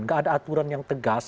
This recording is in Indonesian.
gak ada aturan yang tegas